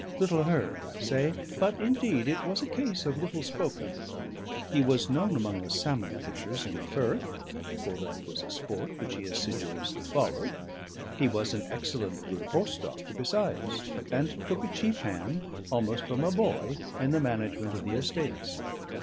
Little heard, I say; but indeed it was a case of little spoken. He was known among the salmon fishers in the firth, for that was a sport that he assiduously followed; he was an excellent good horse doctor besides; and took a chief hand, almost from a boy, in the management of the estates.